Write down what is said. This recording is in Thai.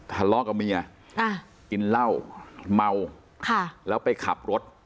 ระลอกกับเมียอ่ะกินเหล้าเมาค่ะแล้วไปขับรถ